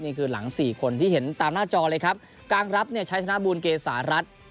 นี่คือหลังสี่คนที่เห็นตามหน้าจอเลยครับกลางรับเนี่ยใช้ธนบูลเกษารัฐ